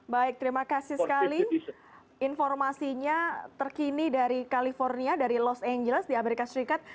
baik terima kasih sekali informasinya terkini dari california dari los angeles di amerika serikat